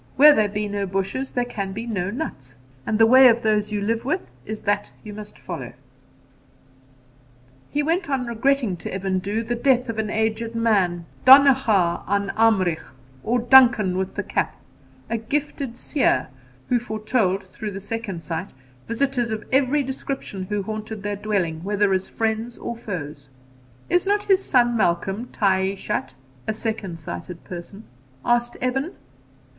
Where there are no bushes there can be no nuts, and the way of those you live with is that you must follow,' He went on regretting to Evan Dhu the death of an aged man, Donnacha an Amrigh, or Duncan with the Cap, 'a gifted seer,' who foretold, through the second sight, visitors of every description who haunted their dwelling, whether as friends or foes. 'Is not his son Malcolm taishatr (a second sighted person)?' asked Evan.